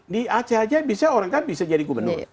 di aceh saja bisa orang kan bisa jadi gubernur